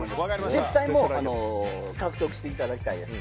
絶対、獲得していただきたいです。